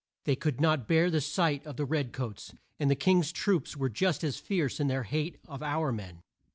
They could not bear the sight of the red coats; and the King's troops were just as fierce in their hate of our men.